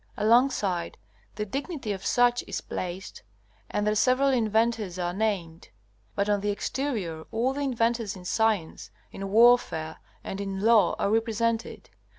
Alongside, the dignity of such is placed, and their several inventors are named. But on the exterior all the inventors in science, in warfare, and in law are represented.